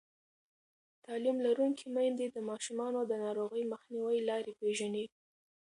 تعلیم لرونکې میندې د ماشومانو د ناروغۍ مخنیوي لارې پېژني.